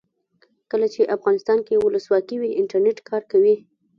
کله چې افغانستان کې ولسواکي وي انټرنیټ کار کوي.